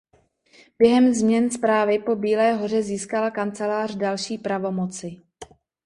Během změn správy po Bílé hoře získala kancelář další pravomoci.